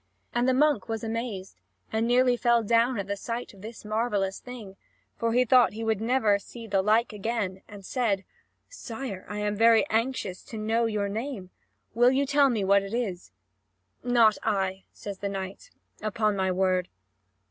And the monk was amazed, and nearly fell down at the sight of this marvellous thing; for he thought he would never see the like again, and said: "Sire, I am very anxious to know your name. Will you tell me what it is?" "Not I," says the knight, "upon my word."